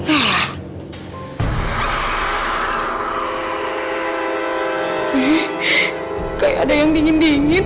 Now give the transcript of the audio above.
hmm kayak ada yang dingin dingin